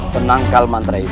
penangkal mantra itu